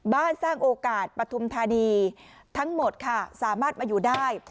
บ้านสร้างโอกาสปรธิมธรรมดีทั้งหมดค่ะสามารถมาอยู่ได้